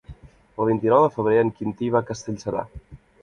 El vint-i-nou de febrer en Quintí va a Castellserà.